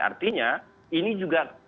artinya ini juga